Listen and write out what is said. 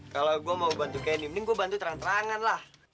kalau gue mau bantu candy mending gue bantu terang terangan lah